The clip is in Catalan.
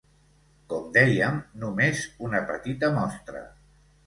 Com dèiem, només una petita mostra.